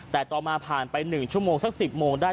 แต่ต่อมาผ่านไป๑ชั่วโมงสัก๑๐โมงได้